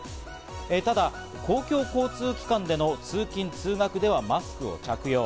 ただ、公共交通機関での通勤通学ではマスクを着用。